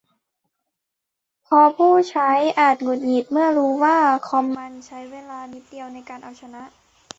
เพราะผู้ใช้อาจหงุดหงิดเมื่อรู้ว่าคอมมันใช้เวลานิดเดียวในการเอาชนะ